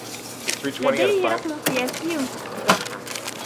لديه رقم قياسي في السباحة.